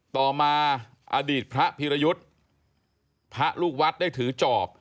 ต่อมาอดีตพระพิรยุทธ์พระลูกวัดได้ถือจอบ